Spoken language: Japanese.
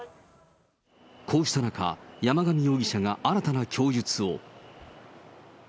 こうした中、山上容疑者が新たな供述を。